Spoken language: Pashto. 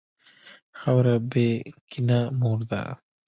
خاوره بېکینه مور ده.